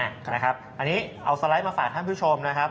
อันนี้เอาสไลด์มาฝากท่านผู้ชมนะครับ